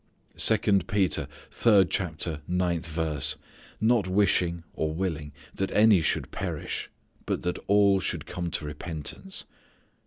Second Peter, third chapter, ninth verse, "not wishing (or willing) that any should perish but that all should come to repentance."